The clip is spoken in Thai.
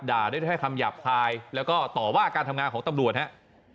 ด่าด้วยแค่คำหยาบภายแล้วก็ต่อว่าอาการทำงานของตำรวจนะครับ